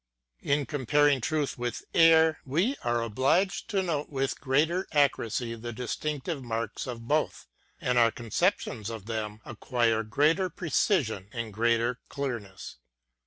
In comparing truth with error, we are obliged to note with greater accuracy the distinctive marks of both ; F iir Conceptions of them acquire Bharper precision and greater clearness.